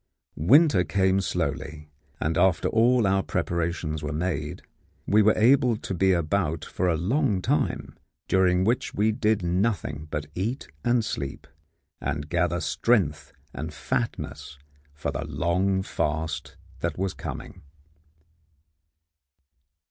Winter came slowly, and after all our preparations were made we were able to be about for a long time, during which we did nothing but eat and sleep, and gather strength and fatness for the long fast that was coming.